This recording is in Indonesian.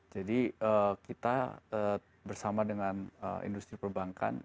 jadi kita bersama dengan industri perbankan